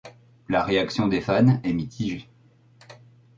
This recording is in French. La réaction des fans est mitigée.